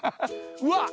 うわっ！